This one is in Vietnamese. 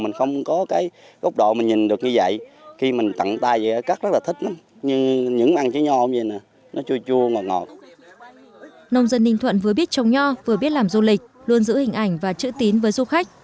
nông dân ninh thuận vừa biết trồng nho vừa biết làm du lịch luôn giữ hình ảnh và trữ tín với du khách